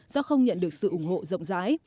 do không nhận được sự ủng hộ rộng rãi